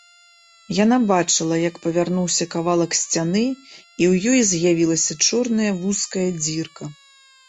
Яна бачыла, як павярнуўся кавалак сцяны і ў ёй з'явілася чорная вузкая дзірка.